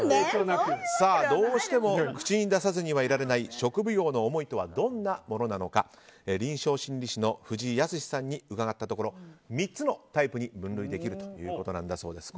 どうしても口に出さずにはいられない食奉行の思いとはどんなものなのか臨床心理士の藤井靖さんに伺ったところ３つのタイプに分類できるということです。